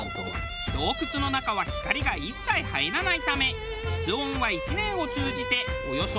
洞窟の中は光が一切入らないため室温は１年を通じておよそ１０度。